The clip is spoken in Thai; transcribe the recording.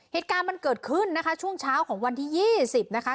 เหตุการณ์มันเกิดขึ้นนะคะช่วงเช้าของวันที่๒๐นะคะ